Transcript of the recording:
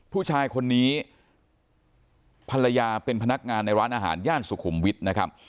ผู้ชายคนนี้ภรรยาเป็นพนักงานในร้านอาหารย่านสุขุมวิทย์นะครับ